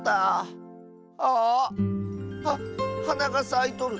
ああっ⁉ははながさいとる！